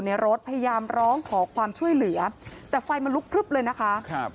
รถพยายามร้องขอความช่วยเหลือแต่ไฟมันลุกพลึบเลยนะคะครับ